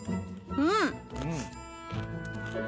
うん！